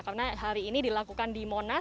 karena hari ini dilakukan di monas